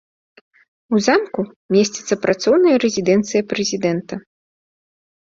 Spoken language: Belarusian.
У замку месціцца працоўная рэзідэнцыя прэзідэнта.